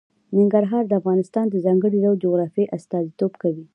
ننګرهار د افغانستان د ځانګړي ډول جغرافیه استازیتوب کوي.